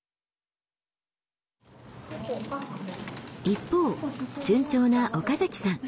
一方順調な岡崎さん。